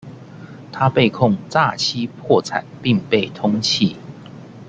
他被控欺诈破产并被通缉。